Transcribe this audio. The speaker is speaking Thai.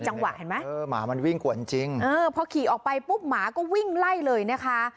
เห็นไหมเออหมามันวิ่งกวนจริงเออพอขี่ออกไปปุ๊บหมาก็วิ่งไล่เลยนะคะ